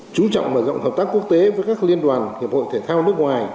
chú trọng mở rộng hợp tác quốc tế với các liên đoàn hiệp hội thể thao nước ngoài